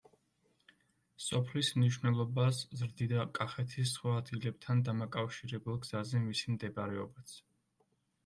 სოფლის მნიშვნელობას ზრდიდა კახეთის სხვა ადგილებთან დამაკავშირებელ გზაზე მისი მდებარეობაც.